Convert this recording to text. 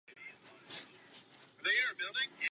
Ukládá sankce správním nákladům?